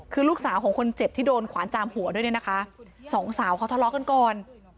คือลูกสาวของคนเจ็บที่โดนขวานจามหัวด้วยเนี่ยนะคะสองสาวเขาทะเลาะกันก่อน